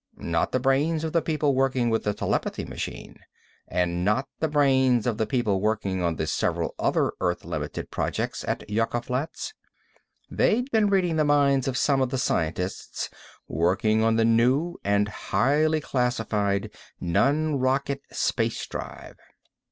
Not the brains of the people working with the telepathy machine. And not the brains of the people working on the several other Earth limited projects at Yucca Flats. They'd been reading the minds of some of the scientists working on the new and highly classified non rocket space drive.